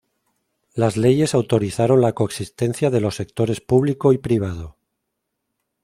Las leyes autorizaron la coexistencia de los sectores público y privado.